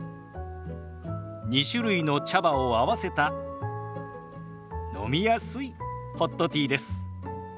２種類の茶葉を合わせた飲みやすいホットティーです。